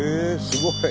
すごい。